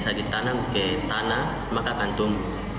jadi tanam ke tanah maka akan tumbuh